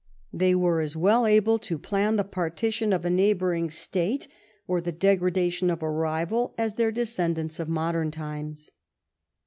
They were as well able to plan the partition of a neighbouring state, or the degradation of a rival, as their descendants of modern times.